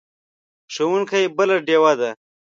ښوونکی بله ډیوه ده.